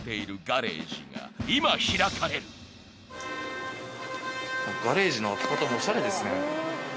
ガレージの開き方もおしゃれですね。